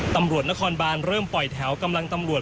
ตำรวจนครบานเริ่มปล่อยแถวกำลังตำรวจ